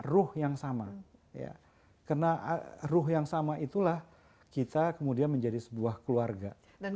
ruh yang sama ya karena ruh yang sama itulah kita kemudian menjadi sebuah keluarga dan